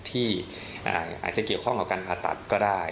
ที่อาจจะเกี่ยวข้องกับการผ่าตัดก็ได้